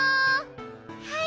はい。